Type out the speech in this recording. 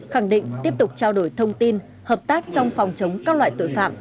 khẳng định tiếp tục trao đổi thông tin hợp tác trong phòng chống các loại vụ